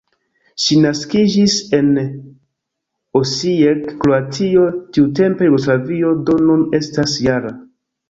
Ŝi naskiĝis en Osijek, Kroatio, tiutempe Jugoslavio, do nun estas -jara.